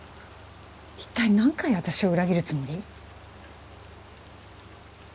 一体何回私を裏切るつもり？